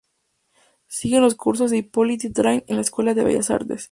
Sigue los cursos de Hippolyte Taine en la escuela de Bellas Artes.